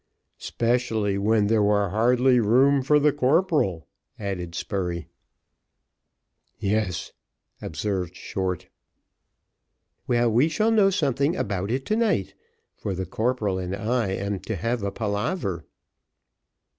"'Specially when there were hardly room for the corporal," added Spurey. "Yes," observed Short. "Well, we shall know something about it to night, for the corporal and I am to have a palaver."